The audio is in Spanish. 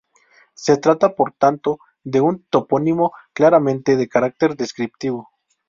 Se trata, por tanto, de un topónimo claramente de carácter descriptivo.